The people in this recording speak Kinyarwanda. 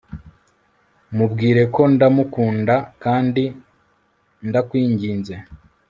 mubwire ko ndamukunda, kandi ndakwinginze